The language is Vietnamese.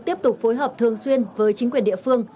tiếp tục phối hợp thường xuyên với chính quyền địa phương